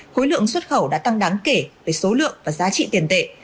khối lượng xuất khẩu đã tăng đáng kể về số lượng và giá trị tiền tệ